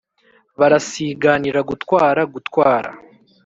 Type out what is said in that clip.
barasiganira gutwara gutwara